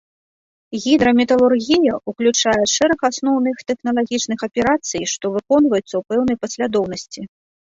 Гідраметалургія ўключае шэраг асноўных тэхналагічных аперацый, што выконваюцца ў пэўнай паслядоўнасці.